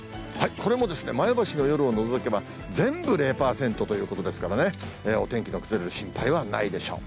これも前橋の夜を除けば全部０％ということですからね、お天気の崩れる心配はないでしょう。